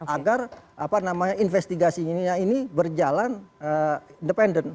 agar apa namanya investigasinya ini berjalan independen